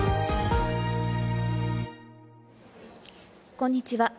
こんにちは。